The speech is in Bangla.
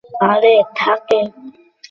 ফলটি লম্বাটে ডিম্বাকার।